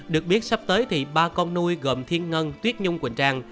được biết sắp tới thì ba con nuôi gồm thiên ngân tuyết nhung quỳnh trang